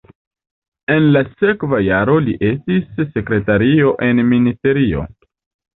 En la sekva jaro li estis sekretario en ministerio.